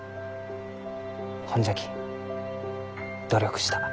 ほんじゃき努力した。